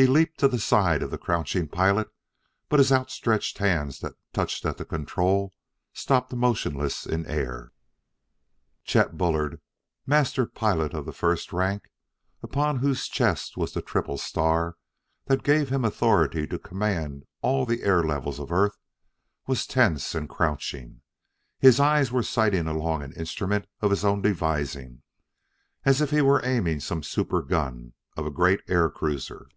He leaped to the side of the crouching pilot, but his outstretched hands that clutched at the control stopped motionless in air. Chet Bullard, master pilot of the first rank, upon whose chest was the triple star that gave him authority to command all the air levels of earth, was tense and crouching. His eyes were sighting along an instrument of his own devising as if he were aiming some super gun of a great air cruiser.